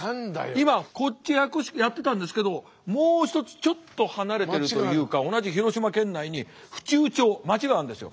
今こっちやってたんですけどもう一つちょっと離れてるというか同じ広島県内に府中町町があるんですよ。